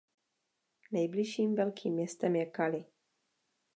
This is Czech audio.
Nejbližším velkým městem je Cali.